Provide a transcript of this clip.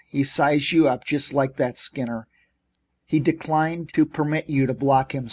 He sized you up just like that, Skinner. He declined to permit you to block him.